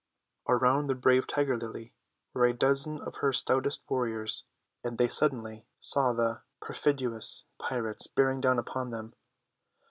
Around the brave Tiger Lily were a dozen of her stoutest warriors, and they suddenly saw the perfidious pirates bearing down upon them.